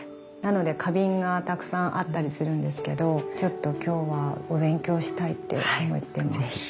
なので花瓶がたくさんあったりするんですけどちょっと今日はお勉強したいって思ってます。